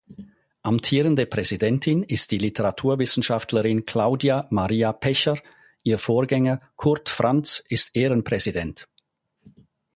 Amtierende Präsidentin ist die Literaturwissenschaftlerin Claudia Maria Pecher, ihr Vorgänger Kurt Franz ist Ehrenpräsident.